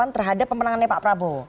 terhadap pemenangannya pak prabowo